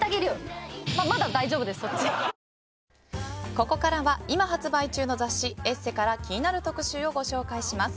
ここからは今発売中の雑誌「ＥＳＳＥ」から気になる特集をご紹介します。